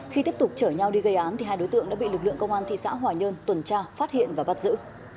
khi tiếp tục chở nhau đi gây án hai đối tượng đã bị lực lượng công an thị xã hòa nhơn tuần tra phát hiện và bắt giữ